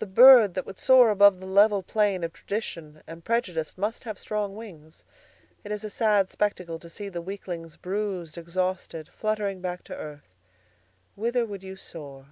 'The bird that would soar above the level plain of tradition and prejudice must have strong wings. It is a sad spectacle to see the weaklings bruised, exhausted, fluttering back to earth.'" "Whither would you soar?"